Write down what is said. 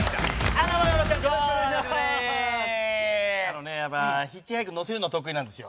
あのねやっぱヒッチハイク乗せるの得意なんですよ。